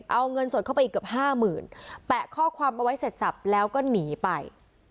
เอาเงินสดเข้าไปอีกเกือบห้าหมื่นแปะข้อความเอาไว้เสร็จสับแล้วก็หนีไป